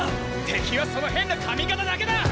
敵はその変な髪形だけだ！